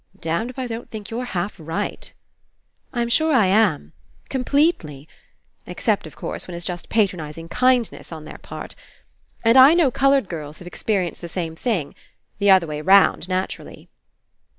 "Damned if I don't think you're half way right!" "I'm sure I am. Completely. (Except, of course, when it's just patronizing kindness on their part.) And I know coloured girls who've experienced the same thing — the other way round, naturally."